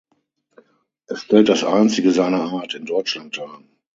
Es stellt das einzige seiner Art in Deutschland dar.